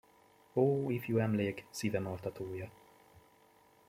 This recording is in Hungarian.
Ó, ifjú emlék, szívem altatója!